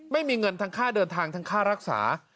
ไม่มีเงินทั้งค่าเดินทางทั้งค่ารักษา